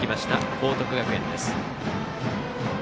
報徳学園です。